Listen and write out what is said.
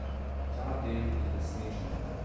Ta del je resničen.